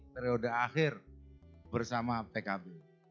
periode akhir bersama pkb